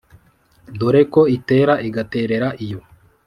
dore ko itera igaterera iyo